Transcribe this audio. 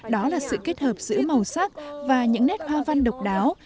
đó là sự kết hợp giữa màu sắc và những nét hoa văn độc đáo